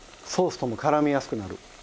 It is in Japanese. ソースとも絡みやすくなる。